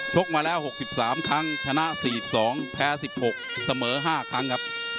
กมาแล้ว๖๓ครั้งชนะ๔๒แพ้๑๖เสมอ๕ครั้งครับ